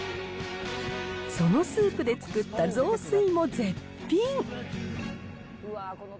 そのスープで作った雑炊も絶品。